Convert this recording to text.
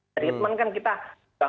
treatment kan kita